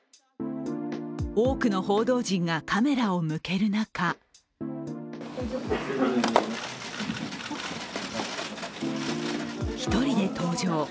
多くの報道陣がカメラを向ける中、１人で登場。